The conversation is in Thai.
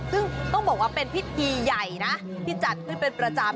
ซึ่งต้องบอกว่าเป็นพิธีใหญ่นะที่จัดขึ้นเป็นประจำ